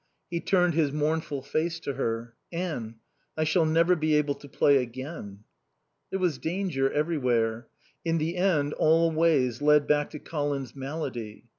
He turned his mournful face to her. "Anne I shall never be able to play again." There was danger everywhere. In the end all ways led back to Colin's malady.